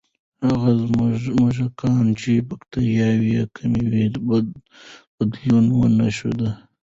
هغه موږکان چې بکتریاوې یې کمې وې، بدلون ونه ښود.